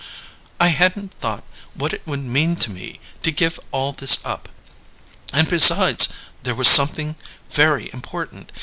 I hadn't thought what it would mean to me to give all this up. And besides, there was something very important.